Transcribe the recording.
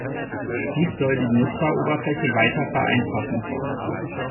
Dies soll die Benutzeroberfläche weiter vereinfachen.